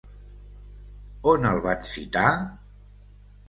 On el van citar?